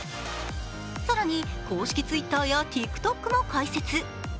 更に公式ＴｗｉｔｔｅｒやＴｉｋＴｏｋも開設。